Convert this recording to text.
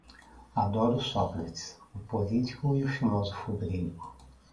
Adoro o Sócrates, o político e o filósofo grego.